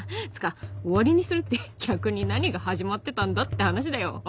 っつか終わりにするって逆に何が始まってたんだって話だよ！